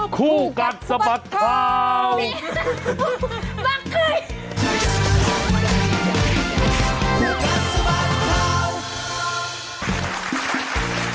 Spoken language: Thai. คู่กัดสมัครเคราะห์บัคคุย